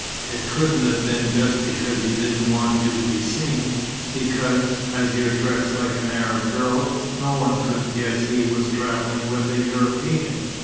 It couldn't have been just because he didn't want you to be seen, because, as you're dressed like an Arab girl no one could guess he was travelling with a European."